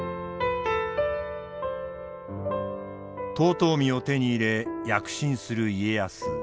遠江を手に入れ躍進する家康。